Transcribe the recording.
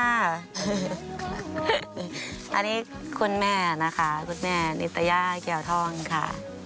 อันนี้คุณแม่นะคะคุณแม่นิตยาเกี่ยวท่อนค่ะ